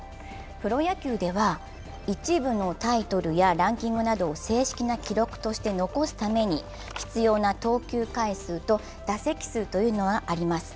プロ野球でもは一部のタイトルやランキングなどを正式な記録として残すために必要な投球回数と打席数というのがあります。